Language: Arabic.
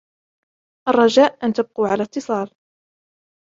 الرجاء أن تبقوا على اتصال